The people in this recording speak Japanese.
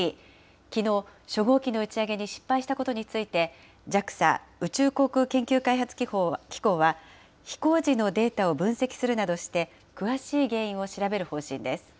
きのう初号機の打ち上げに失敗したことについて、ＪＡＸＡ・宇宙航空研究開発機構は、飛行時のデータを分析するなどして、詳しい原因を調べる方針です。